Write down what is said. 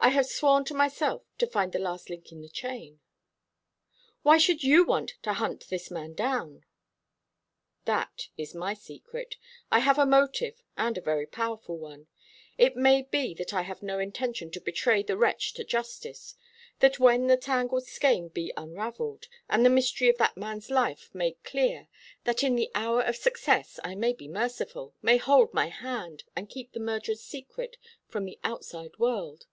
"I have sworn to myself to find the last link in the chain." "Why should you want to hunt this man down?" "That is my secret. I have a motive, and a very powerful one. It may be that I have no intention to betray the wretch to justice; that when the tangled skein shall be unravelled, and the mystery of that man's life made clear, that in the hour of success I may be merciful, may hold my hand, and keep the murderer's secret from the outside world.